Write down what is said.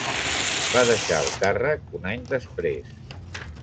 Va deixar el càrrec un any després.